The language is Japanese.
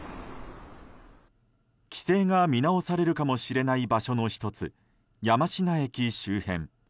規制が見直されるかもしれない場所の１つ、山科駅周辺。